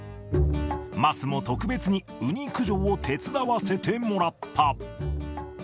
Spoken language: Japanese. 桝も特別にウニ駆除を手伝わせてもらった。